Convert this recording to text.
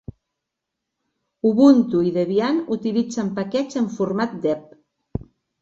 Ubuntu i Debian utilitzen paquets en format.deb